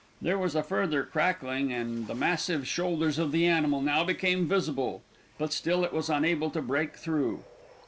There was a further crackling and the massive shoulders of the animal now became visible; but still it was unable to break through.